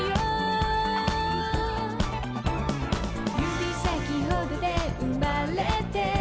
「指先ほどで生まれて」